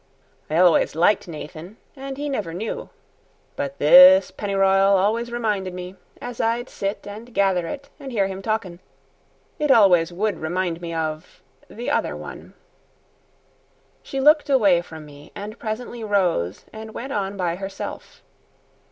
I always liked Nathan, and he never knew. But this pennyr'yal always reminded me, as I'd sit and gather it and hear him talkin' it always would remind me of the other one." She looked away from me, and presently rose and went on by herself.